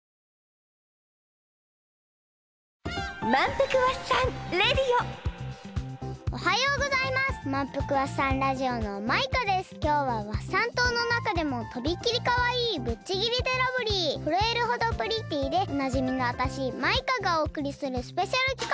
きょうはワッサン島のなかでもとびきりかわいいぶっちぎりでラブリーふるえるほどプリティーでおなじみのわたしマイカがおおくりするスペシャルきかく！